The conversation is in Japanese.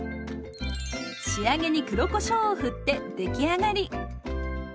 仕上げに黒こしょうをふって出来上がり。